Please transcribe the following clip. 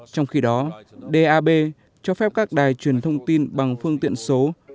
trong khi đó dap cho phép các đài truyền thông tin bằng phương tiện số